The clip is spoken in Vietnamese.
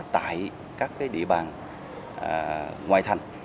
tại các địa bàn ngoại thành